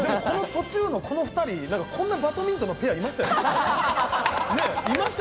途中のこの２人、こんなバドミントンのペアいましたよね。